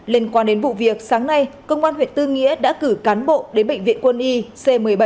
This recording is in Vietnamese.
liên quan đến vụ việc sáng nay công an huyện tư nghĩa đã cử cán bộ đến bệnh viện quân y c một mươi bảy